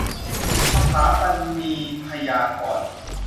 สถาปนียพยากรณ์